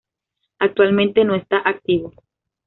Actualmente no está activo.